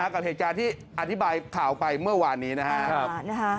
กับเหตุการณ์ที่อธิบายข่าวไปเมื่อวานนี้นะครับ